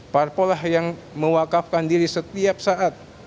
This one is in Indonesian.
parpol lah yang mewakafkan diri setiap saat